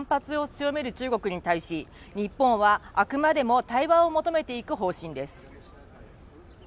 福島第一原発の処理水放出に反発を強める中国に対し日本はあくまでも対話を求めていく方針です